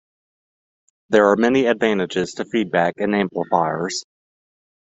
There are many advantages to feedback in amplifiers.